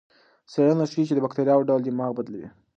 څېړنه ښيي چې د بکتریاوو ډول دماغ بدلوي.